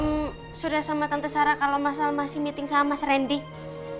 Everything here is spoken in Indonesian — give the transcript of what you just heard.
apa mau gigi bilangin ke om surya sama tante sarah kalau mas al masih meeting sama mas randy